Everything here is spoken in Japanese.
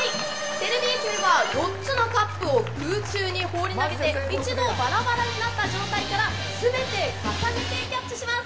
テレビ愛媛は４つのカップを空中に放り投げて一度ばらばらになった状態から全て重ねてキャッチします。